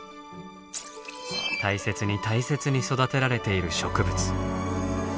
大切に大切に育てられている植物。